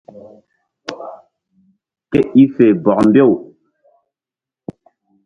Ke i fe bɔk mbew.